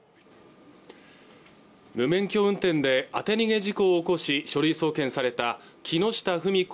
無免許運転で当て逃げ事故を起こし書類送検された木下富美子